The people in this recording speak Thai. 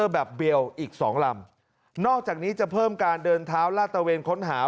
แบบเดียวอีกสองลำนอกจากนี้จะเพิ่มการเดินเท้าลาดตะเวนค้นหา